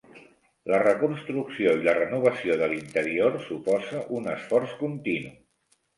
La reconstrucció i la renovació de l'interior suposa un esforç continu.